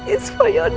ini untuk ayahmu sayang